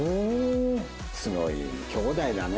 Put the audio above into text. すごい兄弟だね。